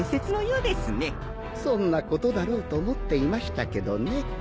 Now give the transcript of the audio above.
そんなことだろうと思っていましたけどね。